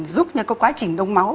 giúp những cái quá trình đông máu